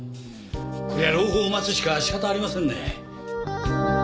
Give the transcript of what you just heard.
こりゃ朗報を待つしか仕方ありませんね。